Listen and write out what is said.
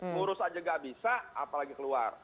mengurus saja tidak bisa apalagi keluar